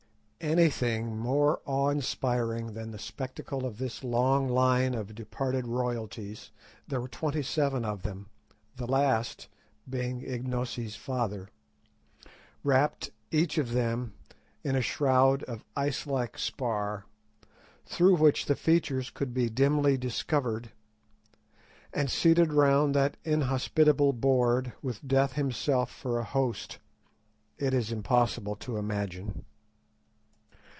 Anything more awe inspiring than the spectacle of this long line of departed royalties (there were twenty seven of them, the last being Ignosi's father), wrapped, each of them, in a shroud of ice like spar, through which the features could be dimly discovered, and seated round that inhospitable board, with Death himself for a host, it is impossible to imagine.